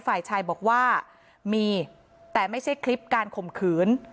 ฝ่ายชายบอกว่ามีแต่ไม่ใช่คลิปการข่มขืน